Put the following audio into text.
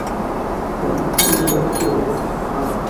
Wanafunzi walicheka kwa furaha